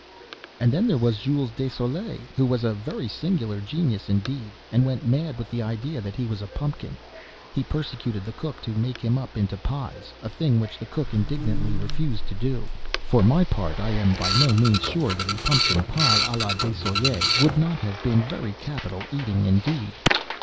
"And then there was Jules Desoulières, who was a very singular genius, indeed, and went mad with the idea that he was a pumpkin. He persecuted the cook to make him up into pies—a thing which the cook indignantly refused to do. For my part, I am by no means sure that a pumpkin pie à la Desoulières would not have been very capital eating indeed!"